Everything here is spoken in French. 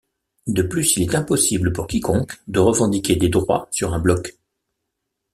De plus, il est impossible pour quiconque de revendiquer des droits sur un bloc.